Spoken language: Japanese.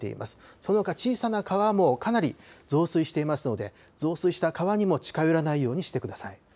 そのほか、小さな川もかなり増水していますので増水した川にも近寄らないようにしてください。